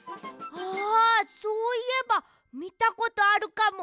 あそういえばみたことあるかも。